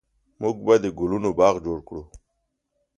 موږ به د ګلونو باغ جوړ کړو